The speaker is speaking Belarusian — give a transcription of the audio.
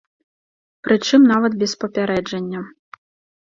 Прычым нават без папярэджання.